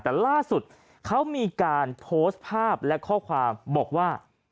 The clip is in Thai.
แต่ล่าสุดเขามีการโพสต์ภาพและข้อความบอกว่า